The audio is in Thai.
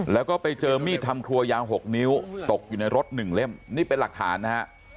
แล้วก็ไปเจอมีดทำครัวยาว๖นิ้วตกอยู่ในรถ๑เล่มนี่เป็นหลักฐานนะฮะ